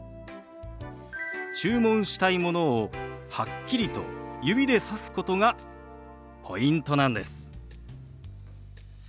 注文したいものをはっきりと指でさすことがポイントなんです。